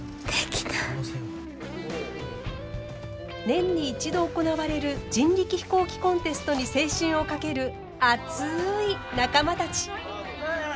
年に一度行われる人力飛行機コンテストに青春を懸ける熱い仲間たち。